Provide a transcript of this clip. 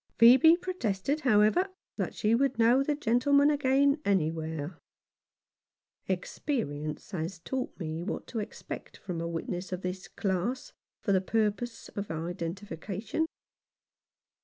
Phcebe protested, however, that she would know the gentleman again anywhere. Experience has taught me what to expect from a witness of this class for the purpose of identifi cation.